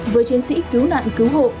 với chiến sĩ cứu nạn cứu hộ